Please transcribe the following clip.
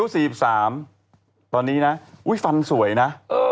สีสามตอนนี้นี้นะฟันสวยนะ